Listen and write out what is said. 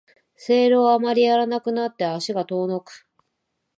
セールをあまりやらなくなって足が遠のく